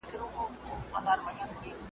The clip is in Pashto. سم پر مځکه ولوېدی ژړ لکه نل سو .